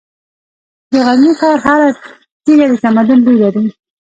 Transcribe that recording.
د غزني ښار هره تیږه د تمدن بوی لري.